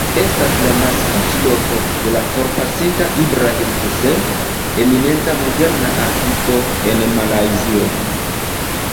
Estas la naskiĝloko de la forpasinta Ibrahim Hussein, eminenta moderna artisto en Malajzio.